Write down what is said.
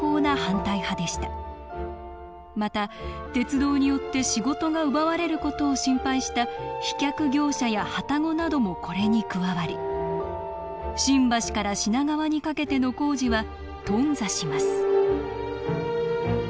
また鉄道によって仕事が奪われる事を心配した飛脚業者やはたごなどもこれに加わり新橋から品川にかけての工事は頓挫します